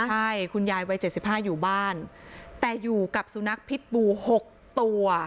ใช่คุณยายวัยเจ็ดสิบห้าอยู่บ้านแต่อยู่กับสูงนักพิษบูหกตัว